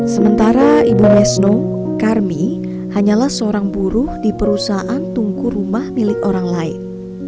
sementara ibu mesno karmi hanyalah seorang buruh di perusahaan tungku rumah milik orang lain